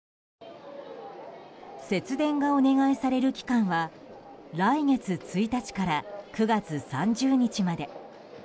節電がお願いされる期間は来月１日から９月３０日まで。